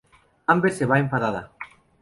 Amber se va, enfadada.